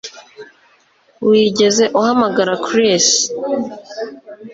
Wigeze uhamagara Chris